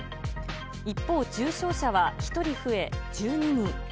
一方、重症者は１人増え１２人。